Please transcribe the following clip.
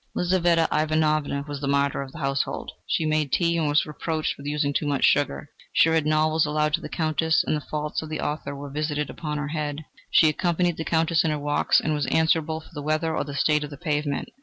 Lizaveta Ivanovna was the martyr of the household. She made tea, and was reproached with using too much sugar; she read novels aloud to the Countess, and the faults of the author were visited upon her head; she accompanied the Countess in her walks, and was held answerable for the weather or the state of the pavement.